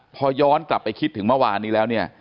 พอย้อนกลับไปคิดถึงเมื่อวานนี้แล้วเนี่ย